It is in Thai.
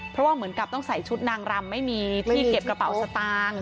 เพราะว่าเหมือนกับต้องใส่ชุดนางรำไม่มีที่เก็บกระเป๋าสตางค์